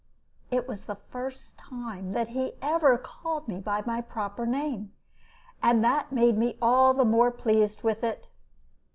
It was the first time he had ever called me by my proper name, and that made me all the more pleased with it.